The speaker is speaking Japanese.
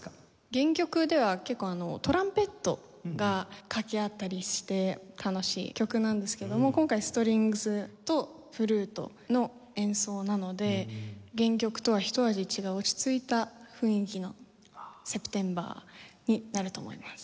原曲では結構トランペットが掛け合ったりして楽しい曲なんですけども今回ストリングスとフルートの演奏なので原曲とはひと味違う落ち着いた雰囲気の『セプテンバー』になると思います。